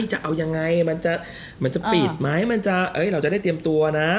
จะเอายังไงจะปิดไหมเราจะได้เตรียมตัวนะ